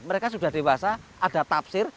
mereka sudah dewasa ada tafsir